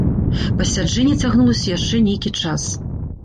Пасяджэнне цягнулася яшчэ нейкі час.